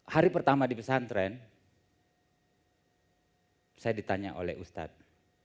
hari pertama di pesantren saya ditanya oleh ustadz